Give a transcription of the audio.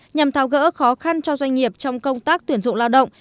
nhằm tháo gỡ khó khăn cho doanh nghiệp trong công tác tuyển dụng lao động